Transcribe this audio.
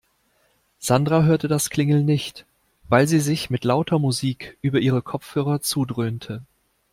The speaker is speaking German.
Sandra hörte das Klingeln nicht, weil sie sich mit lauter Musik über ihre Kopfhörer zudröhnte.